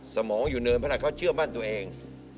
สมองอยู่เนินเพราะอะไรเขาเชื่อมั่นตัวเอง